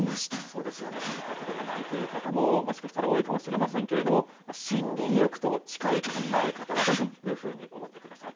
そうですよね、聞いたことがないという方ももしかしたら多いかもしれませんけれども、森林浴と近い考え方だというふうに思ってください。